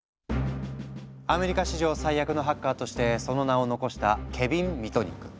アメリカ史上最悪のハッカーとしてその名を残したケビン・ミトニック。